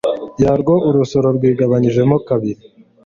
yarwo urusoro rwigabanyijemo kabiri